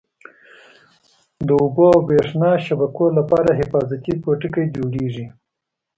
د اوبو او بریښنا شبکو لپاره حفاظتي پوټکی جوړیږي.